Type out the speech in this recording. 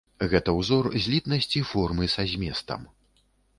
Гэта ўзор злітнасці формы са зместам.